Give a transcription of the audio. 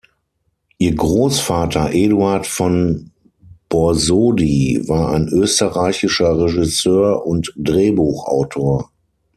Ihr Großvater Eduard von Borsody war ein österreichischer Regisseur und Drehbuchautor.